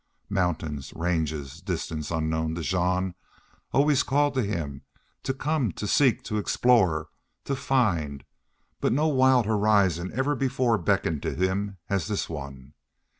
Mountains, ranges, distances unknown to Jean, always called to him to come, to seek, to explore, to find, but no wild horizon ever before beckoned to him as this one.